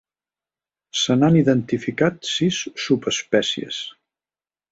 Se n'han identificat sis subespècies.